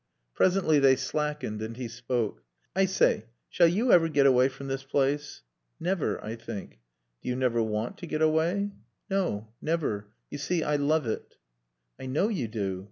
Presently they slackened and he spoke. "I say, shall you ever get away from this place?" "Never, I think." "Do you never want to get away?" "No. Never. You see, I love it." "I know you do."